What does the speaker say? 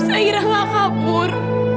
zairah malah kabur